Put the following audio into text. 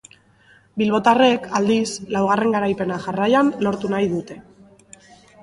Bilbotarrek, aldiz, laugarren garaipena jarraian lortu lortu nahi dute.